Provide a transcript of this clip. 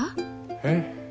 えっ？